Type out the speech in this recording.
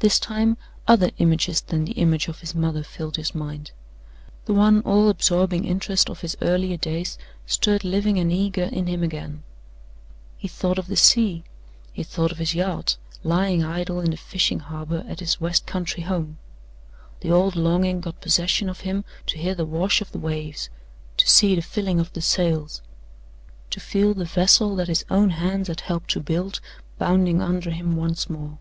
This time other images than the image of his mother filled his mind. The one all absorbing interest of his earlier days stirred living and eager in him again. He thought of the sea; he thought of his yacht lying idle in the fishing harbor at his west country home. The old longing got possession of him to hear the wash of the waves; to see the filling of the sails; to feel the vessel that his own hands had helped to build bounding under him once more.